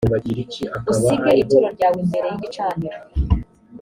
usige ituro ryawe imbere y igicaniro.